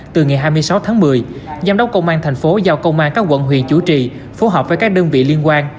từ ngày hai mươi sáu tháng một mươi giám đốc công an thành phố giao công an các quận huyện chủ trì phối hợp với các đơn vị liên quan